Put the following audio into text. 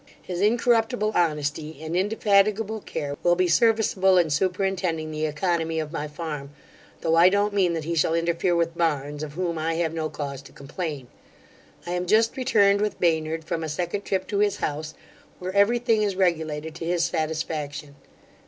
His incorruptible honesty and indefatigable care will be serviceable in superintending the oeconomy of my farm; tho' I don't mean that he shall interfere with Barns, of whom I have no cause to complain. I am just returned with Baynard, from a second trip to his house, where every thing is regulated to his satisfaction.